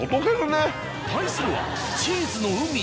対するはチーズの海？